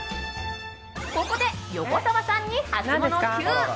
ここで、横澤さんにハツモノＱ。